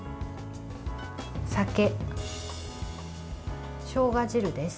酒、しょうが汁です。